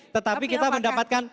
tetapi kita mendapatkan